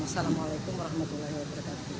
assalamualaikum wr wb